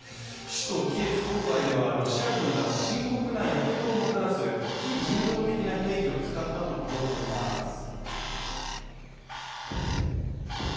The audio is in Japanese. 首都キエフ郊外ではロシア軍が深刻なやけどをもたらす非人道的な兵器を使ったとの情報もあります。